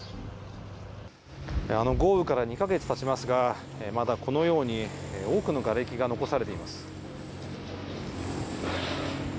あの豪雨から２か月経ちますがまだこのように多くのがれきが残されています。